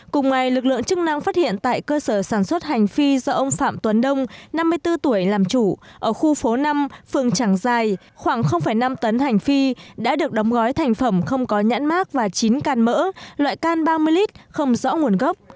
cùng ngày lực lượng chức năng phát hiện tại cơ sở sản xuất hành phi do ông phạm tuấn đông năm mươi bốn tuổi làm chủ ở khu phố năm phường trảng dài khoảng năm tấn hành phi đã được đóng gói thành phẩm không có nhãn mát và chín can mỡ loại can ba mươi lít không rõ nguồn gốc